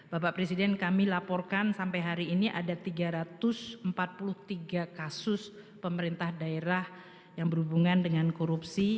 bapak presiden kami laporkan sampai hari ini ada tiga ratus empat puluh tiga kasus pemerintah daerah yang berhubungan dengan korupsi